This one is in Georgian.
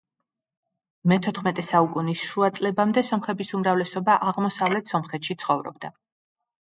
მეთოთხმეტე საუკუნის შუა წლებამდე სომხები უმრავლესობა აღმოსავლეთ სომხეთში ცხოვრობდა.